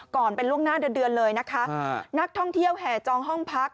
ก่อนเป็นล่วงหน้าเดือนเดือนเลยนะคะนักท่องเที่ยวแห่จองห้องพัก